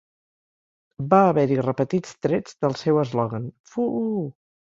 Va haver-hi repetits trets del seu eslògan: Fuuuu!